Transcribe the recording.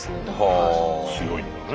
強いんだね。